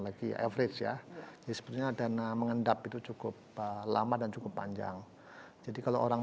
lagi average ya sebenarnya dana mengendap itu cukup lama dan cukup panjang jadi kalau orang